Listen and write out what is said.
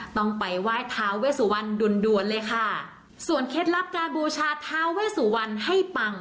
ต้องไปไหว้ทาเวสุวรรณด่วนด่วนเลยค่ะส่วนเคล็ดลับการบูชาทาเวสุวรรณให้ปัง